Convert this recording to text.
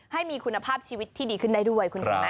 ให้มีคุณภาพชีวิตดีขึ้นได้ด้วย